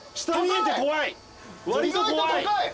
意外と高い。